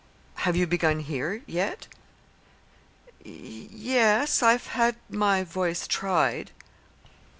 "Have you begun here, yet?" "Y yes, I've had my voice tried."